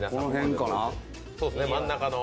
そうですね、真ん中の。